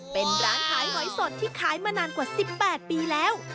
เป็นร้านขายหอยสดที่ขายมานานกว่า๑๘ปีแล้ว